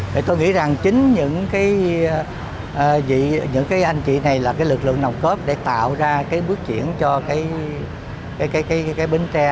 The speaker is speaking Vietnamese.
thì tôi nghĩ rằng chính những cái anh chị này là cái lực lượng nồng cốt để tạo ra cái bước chuyển cho cái bến tre